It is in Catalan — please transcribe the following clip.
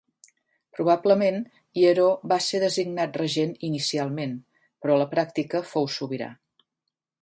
Probablement Hieró va ser designat regent inicialment però a la pràctica fou sobirà.